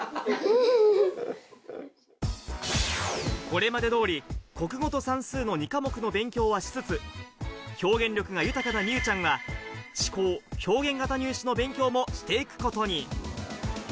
これまで通り、国語と算数の２科目の勉強はしつつ、表現力が豊かな美羽ちゃんは、思考・表現型入試の勉強もしていくことに。